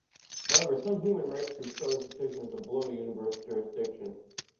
However, some human rights groups saw this decision as a blow to universal jurisdiction.